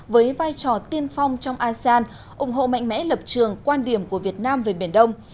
với vai trò tiên phong trong asean ủng hộ mạnh mẽ lập trường quan điểm của việt nam về biển đông